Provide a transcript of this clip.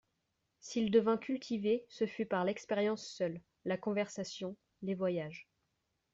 S'il devint cultivé, ce fut par l'expérience seule, la conversation, les voyages.